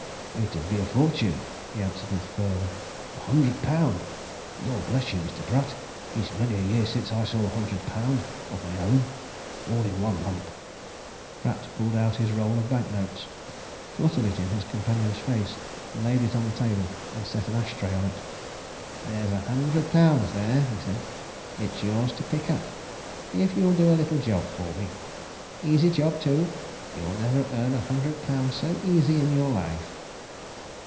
"It 'ud be a fortune!" he answered with fervour. "A hundred pound! Lor' bless you, Mr. Pratt, it's many a year since I saw a hundred pound of my own all in one lump!" Pratt pulled out his roll of bank notes, fluttered it in his companion's face, laid it on the table, and set an ashtray on it. "There's a hundred pounds there!" he said, "It's yours to pick up if you'll do a little job for me. Easy job, too! you'll never earn a hundred pounds so easy in your life!"